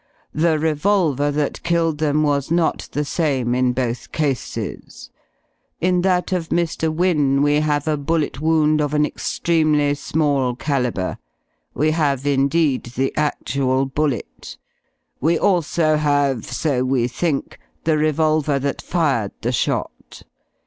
The revolver that killed them was not the same in both cases. In that of Mr. Wynne we have a bullet wound of an extremely small calibre. We have, indeed, the actual bullet. We also have, so we think, the revolver that fired the shot.